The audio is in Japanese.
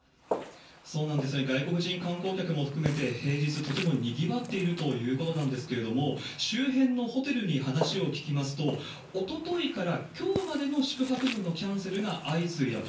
外国人観光客も含めて、平日、とてもにぎわっているということなんですけれども、周辺のホテルに話を聞きますと、おとといからきょうまでの宿泊分のキャンセルが相次いだと。